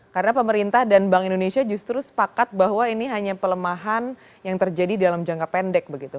karena pemerintah dan bank indonesia justru sepakat bahwa ini hanya pelemahan yang terjadi dalam jangka pendek begitu